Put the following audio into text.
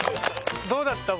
どうだった？